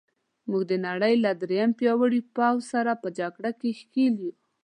موږ د نړۍ له درېیم پیاوړي پوځ سره په جګړه کې ښکېل یو.